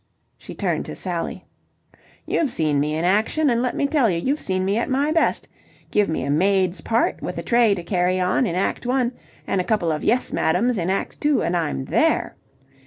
She turned to Sally. "You've seen me in action, and let me tell you you've seen me at my best. Give me a maid's part, with a tray to carry on in act one and a couple of 'Yes, madam's' in act two, and I'm there!